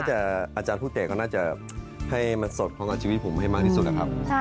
น้ำตาพี่เนี่ยโคล่ไปหมดเลย